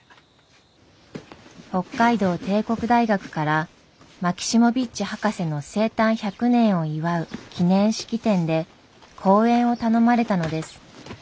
北海道帝国大学からマキシモヴィッチ博士の生誕１００年を祝う記念式典で講演を頼まれたのです。